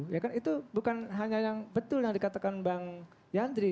ya kan itu bukan hanya yang betul yang dikatakan bang yandri